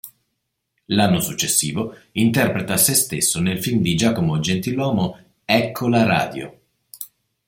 L'anno successivo interpreta se stesso nel film di Giacomo Gentilomo "Ecco la radio!